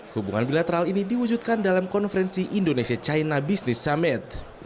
hubungan bilateral ini diwujudkan dalam konferensi indonesia china business summit